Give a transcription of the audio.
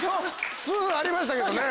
スゥありましたけどね。